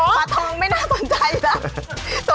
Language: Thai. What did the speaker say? ขวาทองไม่น่าสนใจหรอก